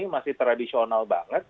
masih tradisional banget